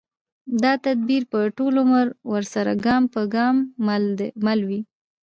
دا تدبیر به ټول عمر ورسره ګام پر ګام مل وي